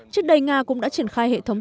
trước đây nga cũng đã triển khai hệ thống